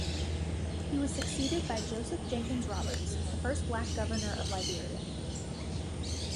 He was succeeded by Joseph Jenkins Roberts, the first black governor of Liberia.